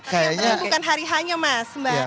tapi itu bukan hari hanya mas mbak